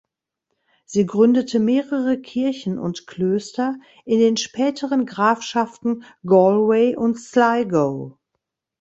Sie gründete mehrere Kirchen und Klöster in den späteren Grafschaften Galway und Sligo.